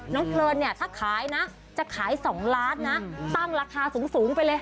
เพลินเนี่ยถ้าขายนะจะขาย๒ล้านนะตั้งราคาสูงไปเลย